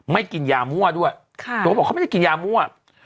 กินยามั่วด้วยตัวบอกเขาไม่ได้กินยามั่ว